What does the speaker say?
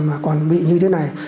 mà còn bị như thế này